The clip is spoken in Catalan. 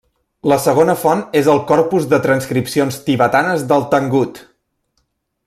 La segona font és el corpus de transcripcions tibetanes del Tangut.